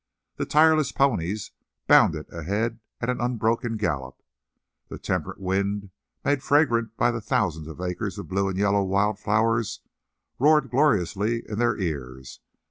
The tireless ponies bounded ahead at an unbroken gallop. The temperate wind, made fragrant by thousands of acres of blue and yellow wild flowers, roared gloriously in their ears.